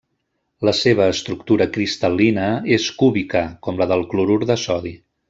La seva estructura cristal·lina és cúbica, com la del clorur de sodi.